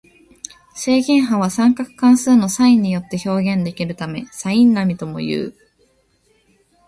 正弦波は三角関数のサインによって表現できるためサイン波ともいう。